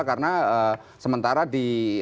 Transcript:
karena sementara di